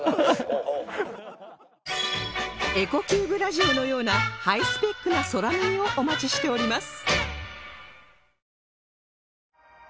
エコキューブラジオのようなハイスペックな空耳をお待ちしております